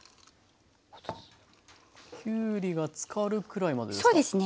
きゅうりが漬かるくらいまでですか？